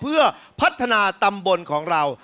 เพื่อพัฒนาตำบลของเรา